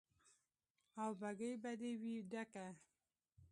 او بګۍ به دې وي ډکه